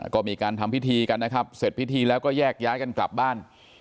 ก็มีการทำพิธีกันนะครับเสร็จพิธีแล้วก็แยกย้ายกันกลับบ้าน